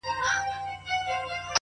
مړ به دي کړې داسې مه کوه!!